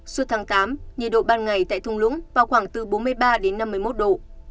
suốt tháng tám nhiệt độ ban ngày tại thung lũng vào khoảng từ bốn mươi ba đến năm mươi một độ